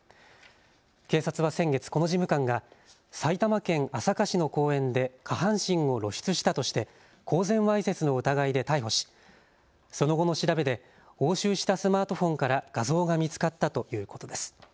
警察は先月、この事務官が埼玉県朝霞市の公園で下半身を露出したとして公然わいせつの疑いで逮捕しその後の調べで押収したスマートフォンから画像が見つかったということです。